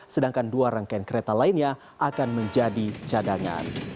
sedangkan dua rangkaian kereta lainnya akan menjadi cadangan